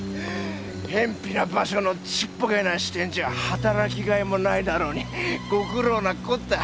へんぴな場所のちっぽけな支店じゃ働きがいもないだろうにご苦労なこった。